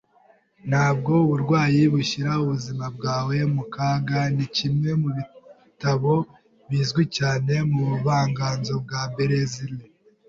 Ntabwo uburwayi bushyira ubuzima bwawe mu kaga. Ni kimwe mu bitabo bizwi cyane mu buvanganzo bwa Berezile.